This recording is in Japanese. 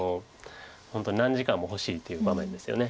本当に何時間も欲しいっていう場面ですよね。